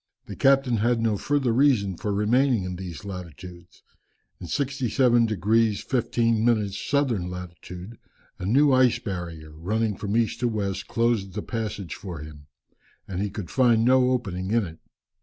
The captain had no further reason for remaining in these latitudes. In 67 degrees 15 minutes southern latitude a new ice barrier, running from east to west closed the passage for him, and he could find no opening in it.